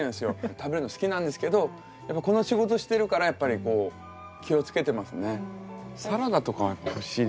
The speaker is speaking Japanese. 食べるの好きなんですけどこの仕事してるからやっぱり気を付けてますね。